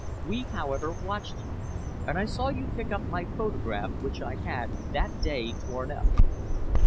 We, however, watched you, and I saw you pick up my photograph which I had that day torn up.